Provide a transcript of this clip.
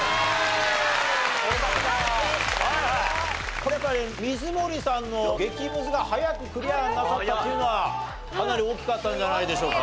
これやっぱり水森さんの激ムズが早くクリアなさったっていうのがかなり大きかったんじゃないでしょうか？